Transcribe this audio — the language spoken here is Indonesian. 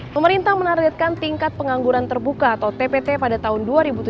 pemerintah menargetkan tingkat pengangguran terbuka atau tpt pada tahun dua ribu tujuh belas